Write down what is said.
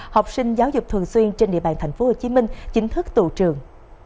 học sinh giáo dục thường xuyên trên địa bàn tp hcm chính thức tụ trường